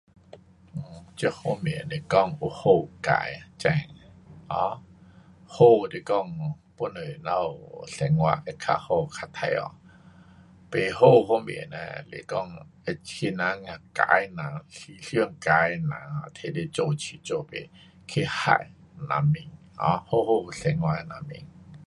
这方面来讲有好有坏，真的，um 好是讲帮助我们生活会较好，较快乐，不好方面呢是讲使给坏的人，思想坏的人拿来做七做八。去害人民。um 好好生活的人民。